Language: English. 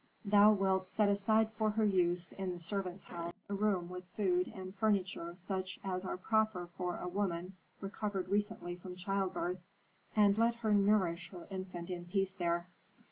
Thou wilt set aside for her use in the servants' house a room with food and furniture such as are proper for a woman recovered recently from childbirth. And let her nourish her infant in peace there."